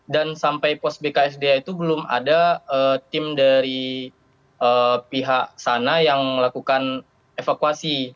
dan sampai pos bksda itu belum ada tim dari pihak sana yang melakukan evakuasi